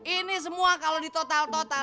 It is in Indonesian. ini semua kalau di total total